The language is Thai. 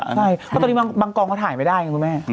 ใช่เพราะตอนนี้บางกองเขาถ่ายไม่ได้ไงคุณแม่